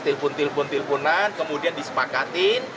telpon telpon telponan kemudian disepakatin